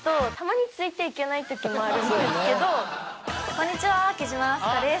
こんにちは貴島明日香です。